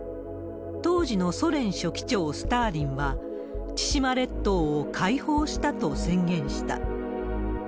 当時のソ連書記長、スターリンは、千島列島を解放したと宣言した。